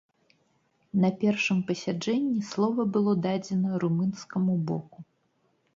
На першым пасяджэнні слова было дадзена румынскаму боку.